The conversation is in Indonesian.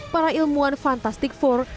para ilmuwan fantastic four